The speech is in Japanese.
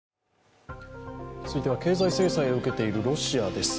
続いては経済制裁を受けているロシアです。